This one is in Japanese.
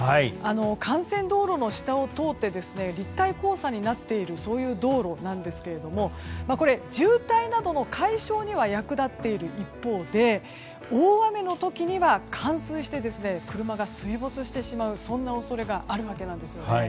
幹線道路の下を通って立体交差になっているそういう道路なんですがこれ、渋滞などの解消には役立っている一方で大雨の時には冠水して車が水没してしまうそんな恐れがあるわけなんです。